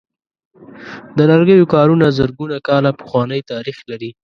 د لرګیو کارونه زرګونه کاله پخوانۍ تاریخ لري.